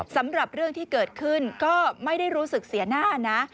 สำหรับเรื่องที่เกิดขึ้นก็ไม่ได้รู้สึกเสียหน้านะ